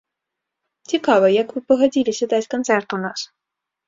Цікава, як вы пагадзіліся даць канцэрт у нас?